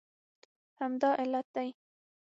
همدا علت دی